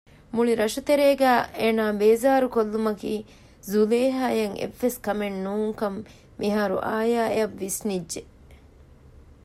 މުޅި ރަށުތެރޭގައި އޭނާ ބޭޒާރުކޮށްލުމަކީ ޒުލޭހާއަށް އެއްވެސް ކަމެއް ނޫންކަން މިހާރު އާޔާއަށް ވިސްނިއްޖެ